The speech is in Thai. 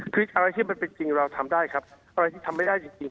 คืออะไรที่มันเป็นจริงเราทำได้ครับอะไรที่ทำไม่ได้จริง